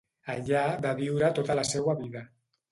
Allà va viure tota la seua vida.